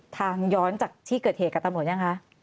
ย้อนจากที่เกิดเหตุกับตำรวจยังคะ